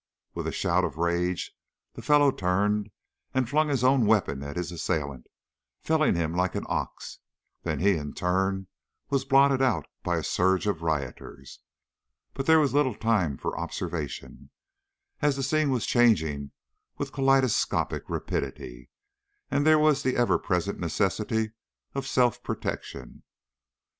With a shout of rage the fellow turned and flung his own weapon at his assailant, felling him like an ox, then he in turn was blotted out by a surge of rioters. But there was little time for observation, as the scene was changing with kaleidoscopic rapidity and there was the ever present necessity of self protection.